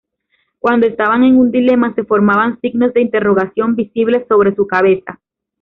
Cuando estaba en un dilema, se formaban signos de interrogación visibles sobre su cabeza.